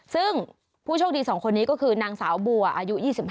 ซึ่งผู้โชคดี๒คนนี้ก็คือนางสาวบัวอายุ๒๕